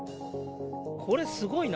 これ、すごいな。